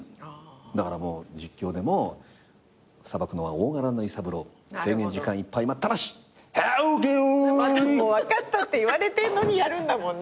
だから実況でも「裁くのは大柄な伊三郎」「制限時間いっぱい待ったなし。はぅけよい」またもう分かったって言われてんのにやるんだもんね。